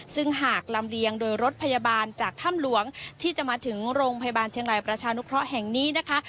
ซึ่งหากลำเลียงโดยรถพยาบาลจากถ้ำหลวงที่จะมาถึงโรงพยาบาลเชียงรายประชานุเคราะห์แห่งนี้นะคะ